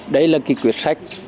đây là cái quyết sách